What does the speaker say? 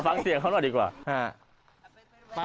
ฟังเสียงเขาหน่อยดีกว่า